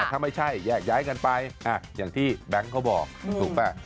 ถ้าไม่ใช่แยกย้ายกันไปอย่างที่แบงค์เขาบอกถูกป่ะ